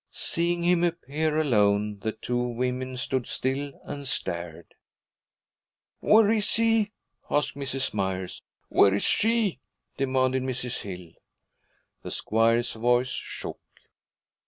Seeing him appear alone, the two women stood still and stared. 'Where is he?' asked Mrs. Myers. 'Where is she?' demanded Mrs. Hill. The squire's voice shook.